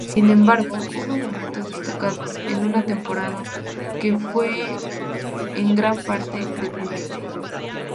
Sin embargo, hubo momentos destacados en una temporada que fue en gran parte deprimente.